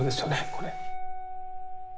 これ。